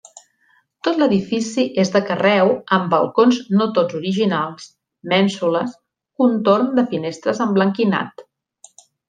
Tot l'edifici és de carreu amb balcons no tots originals, mènsules, contorn de finestres emblanquinat.